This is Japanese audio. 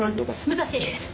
武蔵！